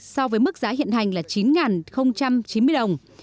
so với mức giá hiện hành là chín chín mươi đồng